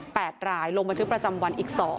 แปดหลายลงไปถึงประจำวันอีก๒